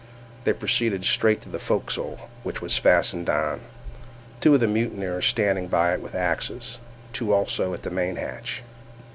They proceeded straight to the forecastle, which was fastened down—two of the mutineers standing by it with axes—two also at the main hatch.